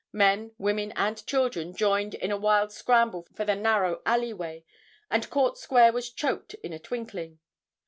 Men, women and children joined in a wild scramble for the narrow alleyway, and Court Square was choked in a twinkling.